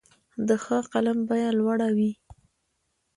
د ښه قلم بیه لوړه وي.